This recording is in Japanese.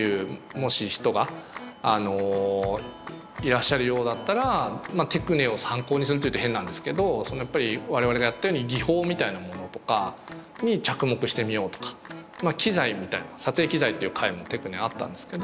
もし人がいらっしゃるようだったらまあテクネを参考にするというと変なんですけどそのやっぱり我々がやったように技法みたいなものとかに着目してみようとかまあ機材みたいな撮影機材っていう回もテクネあったんですけど